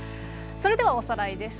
それではおさらいです。